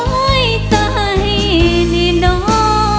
โอ้ยตายนี่น้อง